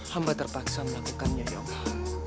hamba terpaksa melakukannya ya allah